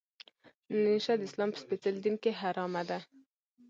نشه د اسلام په سپیڅلي دین کې حرامه ده.